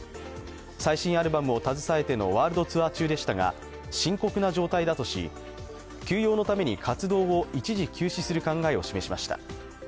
最新アルバムを携えてのワールドツアー中でしたが、深刻な状態だとし休養のために活動を一時休止する考えを示しました。